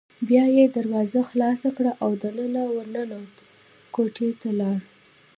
بیا یې دروازه خلاصه کړه او دننه ور ننوت، کوټې ته لاړ.